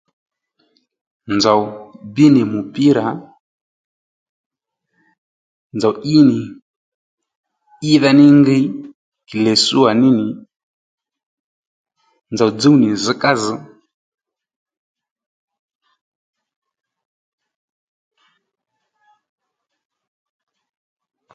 Nzòw bbí nì mupira nzòw í nì ídha ní ngiy gèlè suyà ní nì nzòw dzúw nì zzkázz̀